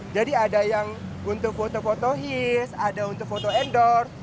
jadi ada yang untuk foto foto his ada untuk foto endorse